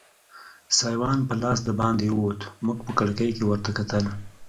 سایوان په لاس دباندې ووت، موږ په کړکۍ کې ورته کتل.